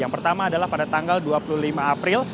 yang pertama adalah pada tanggal dua puluh lima april